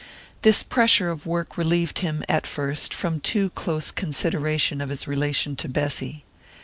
This pressure of work relieved him, at first, from too close consideration of his relation to Bessy.